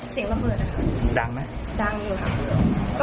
เสียงรำเบิดครับดังไหมดังอยู่ครับ